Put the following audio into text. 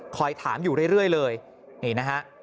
ถามอยู่เรื่อยเลยนี่นะฮะ